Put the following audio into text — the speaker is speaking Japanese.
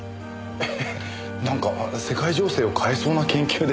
えっなんか世界情勢を変えそうな研究ですね。